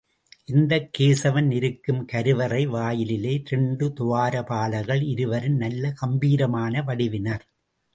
இந்தக் கேசவன் இருக்கும் கருவறை வாயிலிலே இரண்டு துவாரபாலகர்கள், இருவரும் நல்ல கம்பீரமான வடிவினர்.